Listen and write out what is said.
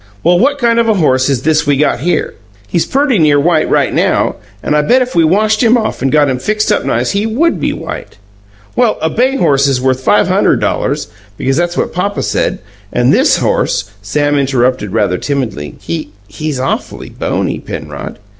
Well, what kind of a horse is this we got here? He's perty near white right now, and I bet if we washed him off and got him fixed up nice he WOULD be white. Well, a bay horse is worth five hunderd dollars, because that's what Papa said, and this horse " Sam interrupted rather timidly. "He he's awful bony, Penrod.